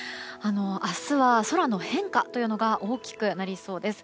明日は空の変化というのが大きくなりそうです。